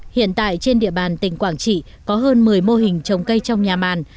hiện tại trên địa bàn tỉnh quảng trị có hơn một mươi mô hình trồng cây trong nhà màn